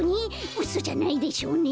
うそじゃないでしょうね。